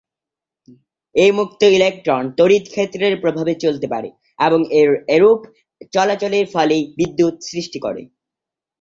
এ "মুক্ত ইলেকট্রন" তড়িৎ ক্ষেত্রের প্রভাবে চলতে পারে এবং এর এরূপ চলাচলের ফলেই বিদ্যুৎ সৃষ্টি করে।